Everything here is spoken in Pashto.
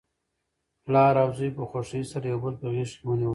پلار او زوی په خوښۍ سره یو بل په غیږ کې ونیول.